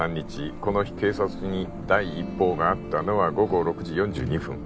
この日警察に第一報があったのは午後６時４２分